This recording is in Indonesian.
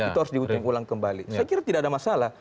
itu harus diutup ulang kembali saya kira tidak ada masalah